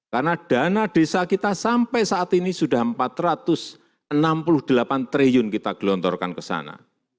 karena dana desa kita sampai saat ini sudah empat ratus enam puluh delapan triliun kita gelontorkan ke sana